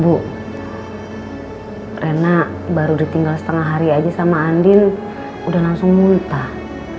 bu rena baru ditinggal setengah hari aja sama andin udah langsung muntah